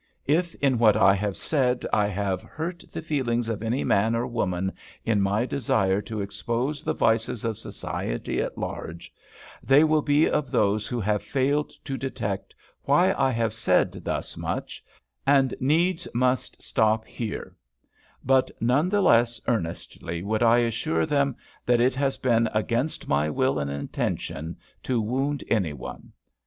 If in what I have said I have hurt the feelings of any man or woman in my desire to expose the vices of society at large, they will be of those who have failed to detect why I have said thus much, and needs must stop here; but none the less earnestly would I assure them that it has been against my will and intention to wound any one.